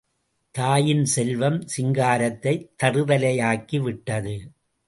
தாயின் செல்லம் சிங்காரத்தைத் தறுதலையாக்கி விட்டது.